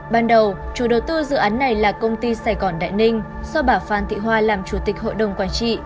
ban đầu chủ đầu tư dự án này là công ty sài gòn đại ninh do bà phan thị hoa làm chủ tịch hội đồng quản trị